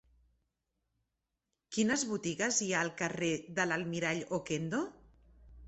Quines botigues hi ha al carrer de l'Almirall Okendo?